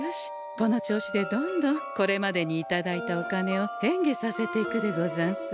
この調子でどんどんこれまでに頂いたお金を変化させていくでござんす。